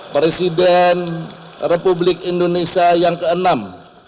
presiden republik indonesia yang keenam